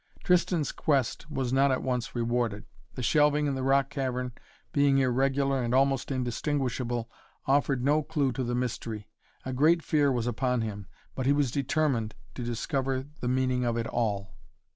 Tristan's quest was not at once rewarded. The shelving in the rock cavern, being irregular and almost indistinguishable, offered no clue to the mystery. A great fear was upon him, but he was determined, to discover the meaning of it all.